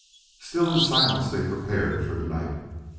Still in silence they prepared for the night.